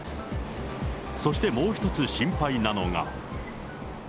そしてもう一つ、心配なのが。